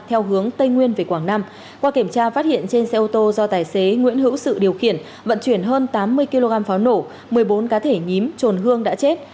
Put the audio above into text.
theo hướng tây nguyên về quảng nam qua kiểm tra phát hiện trên xe ô tô do tài xế nguyễn hữu sự điều khiển vận chuyển hơn tám mươi kg pháo nổ một mươi bốn cá thể nhím trồn hương đã chết